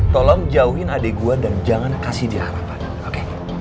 tolong jauhin adik gue dan jangan kasih dia harapan oke